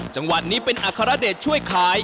จังหวัดนี้เป็นอัครเดชช่วยขาย